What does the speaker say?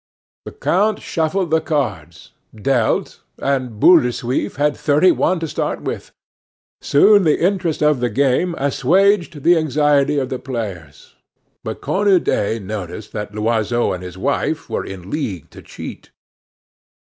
The count shuffled the cards dealt and Boule de Suif had thirty one to start with; soon the interest of the game assuaged the anxiety of the players. But Cornudet noticed that Loiseau and his wife were in league to cheat.